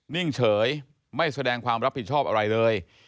นิ่งเฉยไม่แสดงความรับผิดชอบอะไรเลย